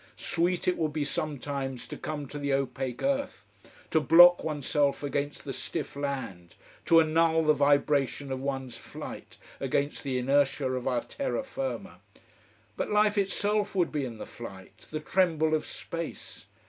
Sweet it would be sometimes to come to the opaque earth, to block oneself against the stiff land, to annul the vibration of one's flight against the inertia of our terra firma! but life itself would be in the flight, the tremble of space.